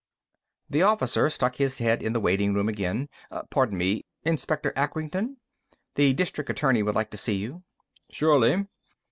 The officer stuck his head in the waiting room again. "Pardon me. Inspector Acrington? The District Attorney would like to see you." "Surely."